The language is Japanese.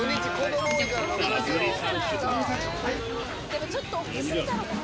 でもちょっと大きすぎたのかな。